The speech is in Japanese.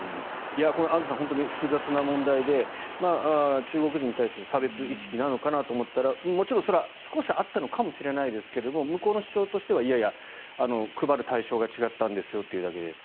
アンジュさんこれ、本当に複雑な問題で中国人に対する差別意識なのかなと思ったらもちろんそれは少しあったのかもしれませんが向こうの主張としてはいやいや、配る対象が違ったんですよというだけで。